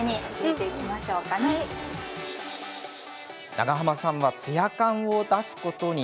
長濱さんはつや感を出すことに。